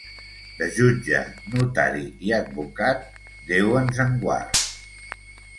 De jutge, notari i advocat, Déu ens en guard.